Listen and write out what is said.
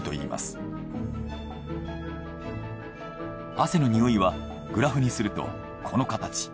汗のにおいはグラフにするとこの形。